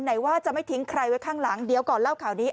ไหนว่าจะไม่ทิ้งใครไว้ข้างหลังเดี๋ยวก่อนเล่าข่าวนี้